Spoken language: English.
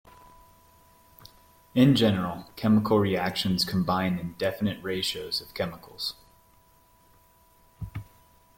In general, chemical reactions combine in definite ratios of chemicals.